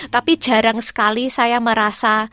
tapi jarang sekali saya merasa